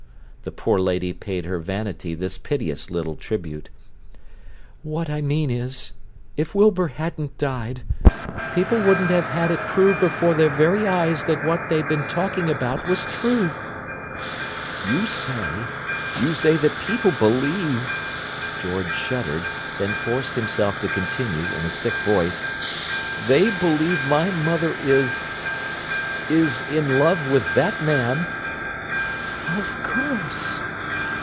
The poor lady paid her vanity this piteous little tribute. "What I mean is, if Wilbur hadn't died, people wouldn't have had it proved before their very eyes that what they'd been talking about was true!" "You say—you say that people believe—" George shuddered, then forced himself to continue, in a sick voice: "They believe my mother is—is in love with that man?" "Of course!"